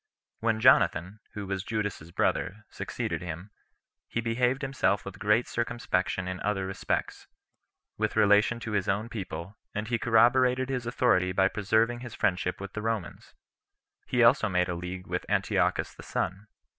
When Jonathan, who was Judas's brother, succeeded him, he behaved himself with great circumspection in other respects, with relation to his own people; and he corroborated his authority by preserving his friendship with the Romans. He also made a league with Antiochus the son.